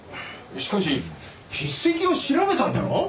しかし筆跡を調べたんだろ？